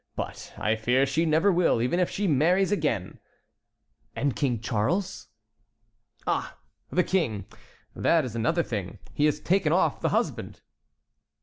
But I fear she never will, even if she marries again." "And King Charles?" "Ah! the King. That is another thing. He has taken off the husband."